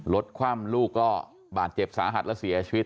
คว่ำลูกก็บาดเจ็บสาหัสและเสียชีวิต